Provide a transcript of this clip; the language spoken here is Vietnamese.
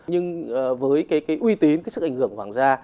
nhưng với cái uy tín cái sự ảnh hưởng của hoàng gia